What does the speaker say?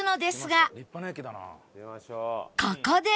ここで